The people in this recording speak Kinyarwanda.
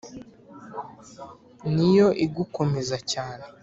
niyo igukomeza cyane